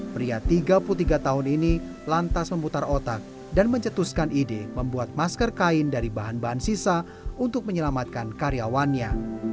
pria tiga puluh tiga tahun ini lantas memutar otak dan mencetuskan ide membuat masker kain dari bahan bahan sisa untuk menyelamatkan karyawannya